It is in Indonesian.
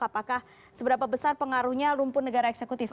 apakah seberapa besar pengaruhnya lumpun negara eksekutif